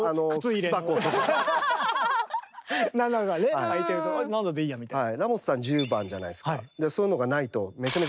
７がね空いてると７でいいやみたいな。